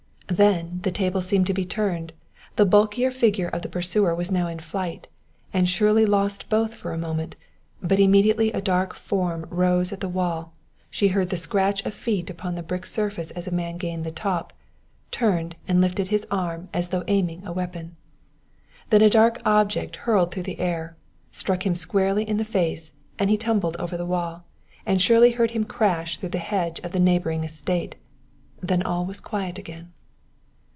Then the tables seemed to be turned; the bulkier figure of the pursuer was now in flight; and Shirley lost both for a moment, but immediately a dark form rose at the wall; she heard the scratch of feet upon the brick surface as a man gained the top, turned and lifted his arm as though aiming a weapon. Then a dark object, hurled through the air, struck him squarely in the face and he tumbled over the wall, and Shirley heard him crash through the hedge of the neighboring estate, then all was quiet again.